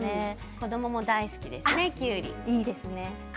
子どもも大好きですねきゅうり。